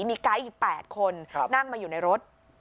มีไกด์อีก๘คนนั่งมาอยู่ในรถ